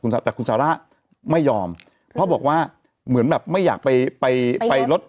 แต่คุณซาร่าไม่ยอมเพราะบอกว่าเหมือนแบบไม่อยากไปไปลด